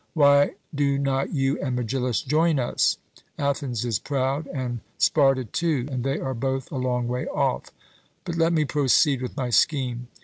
'Why do not you and Megillus join us?' Athens is proud, and Sparta too; and they are both a long way off. But let me proceed with my scheme.